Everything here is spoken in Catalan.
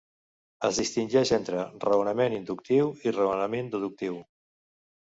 Es distingeix entre raonament inductiu i raonament deductiu.